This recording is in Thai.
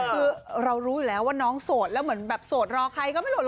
คือเรารู้อยู่แล้วว่าน้องโสรแล้วเหมือนแบบโสร่อใครก็รออยู่คนเดียว